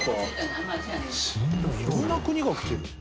でも色んな国が来てる。